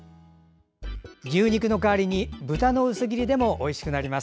牛肉の代わりに豚の薄切り肉でもおいしくなります。